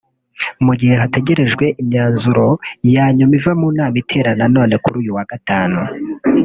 Mugihe hategerejwe imyanzuro yanyuma iva munana iterana none kuri uyu wa gatanu